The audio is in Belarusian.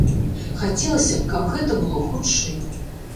Хацелася б, каб гэта было хутчэй.